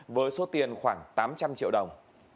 với số tiền khoảng tám trăm linh triệu đồng